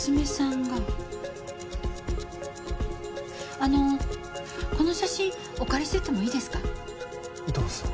あのこの写真お借りしてってもいいですか？どうぞ。